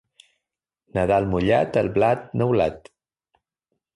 Nadal mullat, el blat neulat.